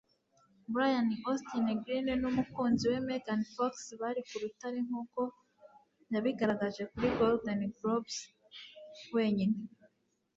Brian Austin Green n'umukunzi we Megan Fox bari ku rutare nkuko yabigaragaje kuri Golden Globes wenyine.